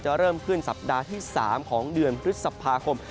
เริ่มขึ้นสัปดาห์ที่๓ของเดือนพฤษภาคม